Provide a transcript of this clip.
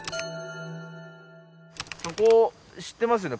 そこ知ってますよね？